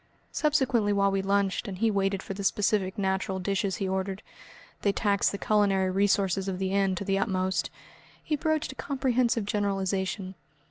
Subsequently while we lunched and he waited for the specific natural dishes he ordered they taxed the culinary resources of the inn to the utmost he broached a comprehensive generalisation.